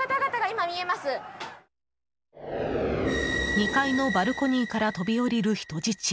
２階のバルコニーから飛び下りる人質。